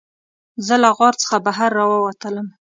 زه له غار څخه بهر راووتلم.